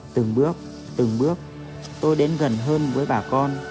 từng bước từng bước tôi đến gần hơn với bà con